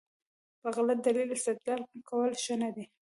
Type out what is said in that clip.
په غلط دلیل استدلال کول ښه نه دي.